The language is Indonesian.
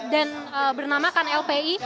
dan bernamakan lpi